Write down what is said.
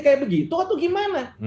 kayak begitu atau gimana